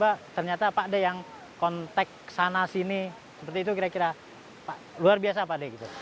apakah ada yang kontak sana sini seperti itu kira kira luar biasa apa